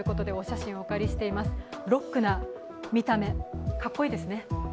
ロックな見た目かっこいいですね。